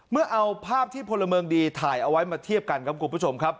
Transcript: เมื่อเอาภาพที่พลเมืองดีถ่ายเอาไว้มาเทียบกันครับคุณผู้ชมครับ